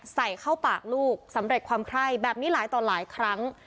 ใส่เข้าปากลูกสำเร็จความไคร้แบบนี้หลายต่อหลายครั้ง